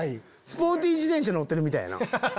スポーティー自転車乗ってるみたいやな。